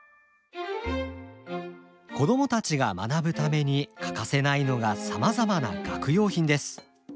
子供たちが学ぶために欠かせないのがさまざまな学用品です。